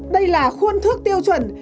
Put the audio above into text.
đây là khuôn thước tiêu chuẩn